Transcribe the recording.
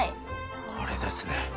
これですね。